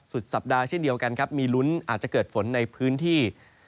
สุดสัปดาห์เช่นเดียวกันครับมีลุ้นอาจจะเกิดฝนในพื้นที่